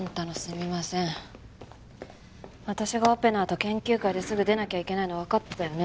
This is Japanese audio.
私がオペのあと研究会ですぐ出なきゃいけないのわかってたよね？